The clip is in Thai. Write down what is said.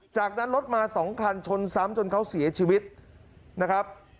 จากนั้นรถมา๒คันชนซ้ำจนเขาเสียชีวิตนะครับ